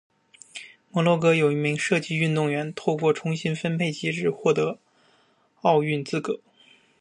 摩洛哥有一名射击运动员透过重新分配机制获得奥运资格。